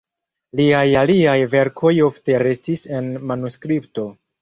Liaj aliaj verkoj ofte restis en manuskripto.